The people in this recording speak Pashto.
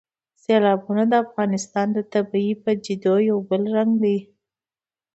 سیلابونه د افغانستان د طبیعي پدیدو یو بل رنګ دی.